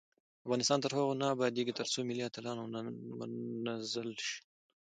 افغانستان تر هغو نه ابادیږي، ترڅو ملي اتلان ونازل شي.